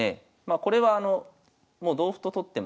これはもう同歩と取っても。